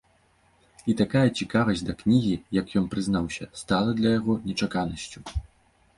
І такая цікавасць да кнігі, як ён прызнаўся, стала для яго нечаканасцю.